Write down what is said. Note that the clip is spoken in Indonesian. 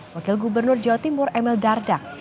wakil gubernur jawa timur emil dardak